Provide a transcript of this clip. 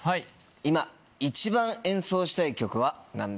今一番演奏したい曲は何ですか？